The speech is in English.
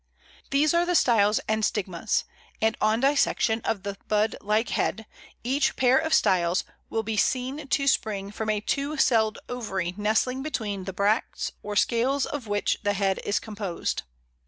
These are the styles and stigmas, and on dissection of the budlike head, each pair of styles will be seen to spring from a two celled ovary nestling between the bracts or scales of which the head is composed.